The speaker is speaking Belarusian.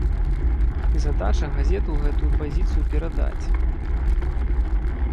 І задача газету гэтую пазіцыю перадаць.